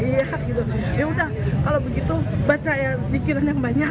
iya yaudah kalau begitu baca ya pikiran yang banyak